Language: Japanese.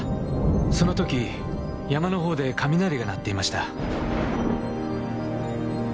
その時山のほうで雷が鳴っていました。